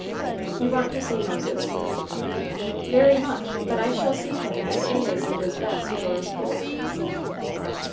"You want to see Moses?" "Very much; but I shall see him as soon as it is best for us both."